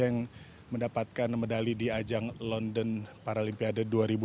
yang mendapatkan medali di ajang london paralimpiade dua ribu dua puluh